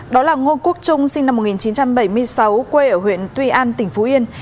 đó là ngô quốc trung sinh năm một nghìn chín trăm bảy mươi sáu quê ở huyện tuy an tỉnh phú yên